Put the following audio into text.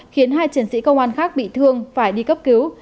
khiến hai chiến sĩ công an khác bị thương phải đi cấp cứu